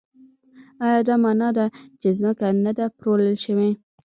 ایا دا مانا ده چې ځمکه نه ده پلورل شوې؟